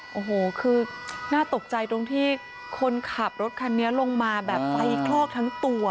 โอ้โหคือน่าตกใจตรงที่คนขับรถคันนี้ลงมาแบบไฟคลอกทั้งตัว